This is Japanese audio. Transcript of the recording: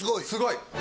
すごい！